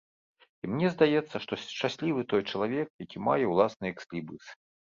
І мне здаецца, што шчаслівы той чалавек, які мае ўласны экслібрыс.